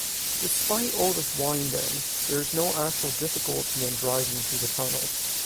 Despite all this winding, there is no actual difficulty in driving through the tunnel.